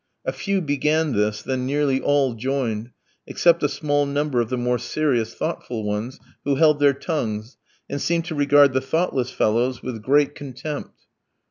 A few began this, then nearly all joined, except a small number of the more serious, thoughtful ones, who held their tongues, and seemed to regard the thoughtless fellows with great contempt.